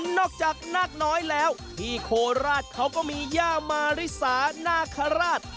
นอกจากนาคน้อยแล้วที่โคราชเขาก็มีย่ามาริสานาคาราช